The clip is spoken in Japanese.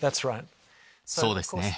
そうですね。